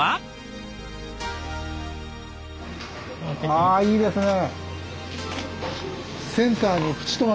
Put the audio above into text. ああいいですね！